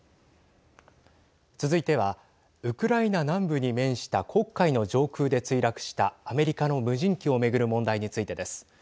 続いてはウクライナ南部に面した黒海の上空で墜落したアメリカの無人機を巡る問題についてです。